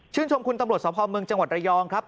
ชมคุณตำรวจสภเมืองจังหวัดระยองครับ